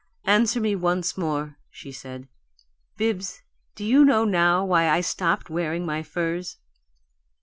"Answer me once more," she said. "Bibbs, do you know now why I stopped wearing my furs?"